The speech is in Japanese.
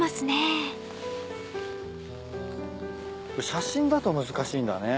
写真だと難しいんだね。